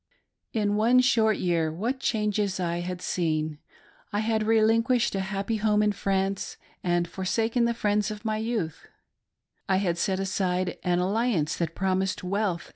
In one short year what changes I had seen. I had relin quished a happy home in France and forsaken the friends of my youth ; I had set aside an alliance that promised wealth